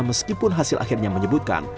meskipun hasil akhirnya menyebutkan